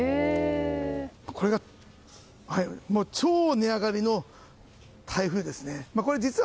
これが超値上がりの台風ですね。